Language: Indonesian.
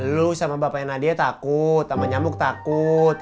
lu sama bapaknya nadia takut sama nyamuk takut